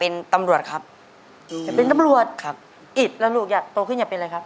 น้ำเพชรลูกโตขึ้นอย่าเป็นไรนะครับ